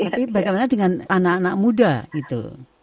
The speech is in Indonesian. tapi bagaimana dengan anak anak muda gitu